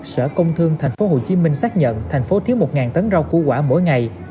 sở công thương thành phố hồ chí minh xác nhận thành phố thiếu một tấn rau cua quả mỗi ngày